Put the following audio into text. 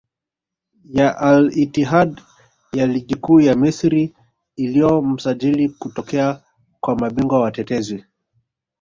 ya Al Ittihad ya Ligi Kuu ya Misri iliyo msajili kutokea kwa mabingwa watetezi